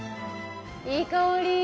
いい香り。